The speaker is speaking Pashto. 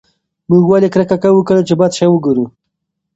موږ ولې کرکه کوو کله چې بد شی وګورو؟